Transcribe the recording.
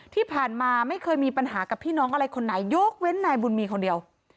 ที่ผ่านมาไม่เคยมีปัญหากับพี่น้องอะไรคนไหนยกเว้นนายบุญมีคนเดียว